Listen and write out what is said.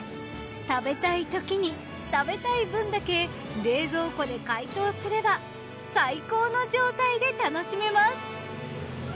食べたいときに食べたい分だけ冷蔵庫で解凍すれば最高の状態で楽しめます。